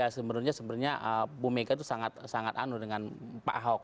sebenarnya bumega itu sangat anu dengan pak ahok